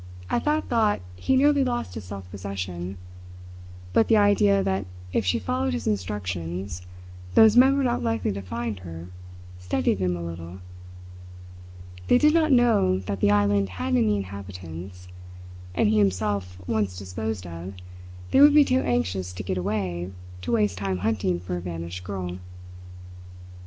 At that thought he nearly lost his self possession. But the idea that if she followed his instructions those men were not likely to find her steadied him a little. They did not know that the island had any inhabitants; and he himself once disposed of, they would be too anxious to get away to waste time hunting for a vanished girl.